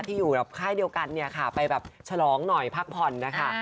ที่อยู่แบบค่ายเดียวกันเนี่ยค่ะไปแบบฉลองหน่อยพักผ่อนนะคะ